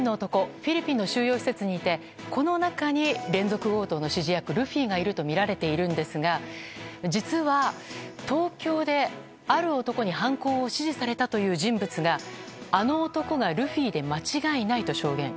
フィリピンの収容施設にいてこの中に、連続強盗の指示役ルフィがいるとみられているんですが実は、東京である男に犯行を指示されたという人物があの男がルフィで間違いないと証言。